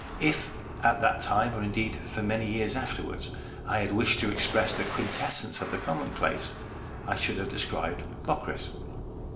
If at that time, or indeed for many years afterwards, I had wished to express the quintessence of the commonplace, I should have described Locris.